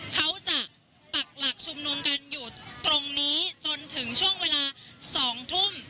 เขาจะปักหลักชุมนุมกันอยู่ตรงนี้จนถึงช่วงเวลา๒ทุ่ม